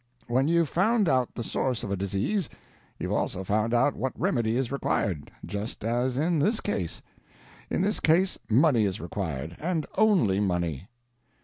When you've found out the source of a disease, you've also found out what remedy is required—just as in this case. In this case money is required. And only money."